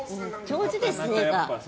上手ですね、絵が。